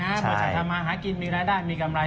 เมื่อฉันจะมาหากินมีรายได้มีกำไร